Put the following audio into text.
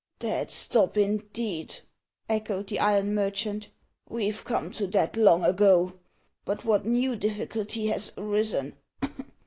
"Dead stop, indeed!" echoed the iron merchant. "We've come to that long ago. But what new difficulty has arisen?"